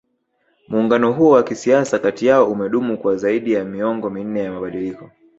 Muungano huo wa kisiasa kati yao umedumu kwa zaidi ya miongo minne ya mabadiliko